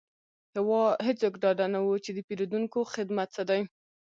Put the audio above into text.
هیڅوک ډاډه نه وو چې د پیرودونکو خدمت څه دی